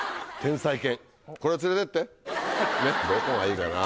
どこがいいかな？